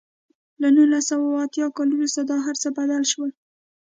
له نولس سوه اتیا کال وروسته دا هر څه بدل شول.